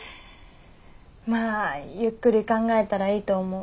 まあゆっくり考えたらいいと思う。